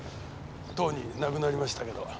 とうに亡くなりましたけど。